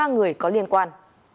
ba người có liên quan